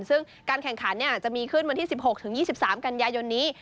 ซึ่งการแข่งขันจะมีขึ้นวันที่๑๖๒๓กันยายนนี้